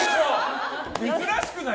珍しくない？